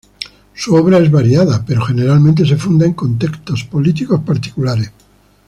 Su obra es variada, pero generalmente se funda en contextos políticos particulares.